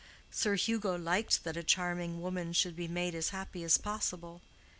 Sir Hugo liked that a charming woman should be made as happy as possible.